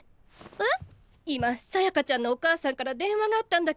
えっ！？